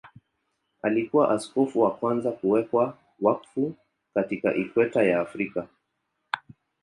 Alikuwa askofu wa kwanza kuwekwa wakfu katika Ikweta ya Afrika.